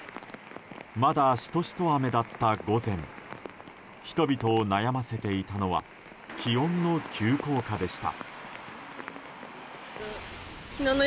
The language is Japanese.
まだシトシト雨だった午前人々を悩ませていたのは気温の急降下でした。